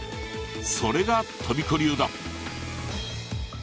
それがとびこ流だ。